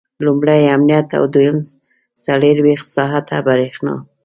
لومړی امنیت او دویم څلرویشت ساعته برېښنا.